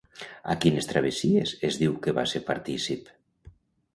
A quines travessies es diu que va ser partícip?